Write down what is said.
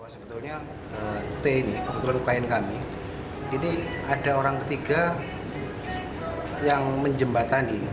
sebetulnya t ini kebetulan klien kami ini ada orang ketiga yang menjembatani